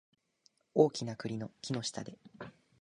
大きな栗の木の下で